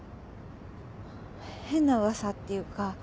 変な噂っていうか。